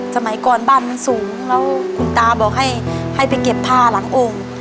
สมัยก่อนบ้านมันสูงแล้วคุณตาบอกให้ไปเก็บผ้าหลังโอ่ง